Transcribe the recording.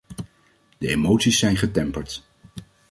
De emoties zijn getemperd.